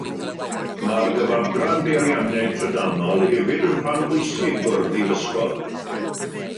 Mae'r Gyfadran Peirianneg Trydanol hefyd yn rhan bwysig o'r Brifysgol.